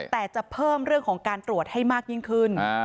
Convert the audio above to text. แต่จะเพิ่มเรื่องของการตรวจให้มากยิ่งขึ้น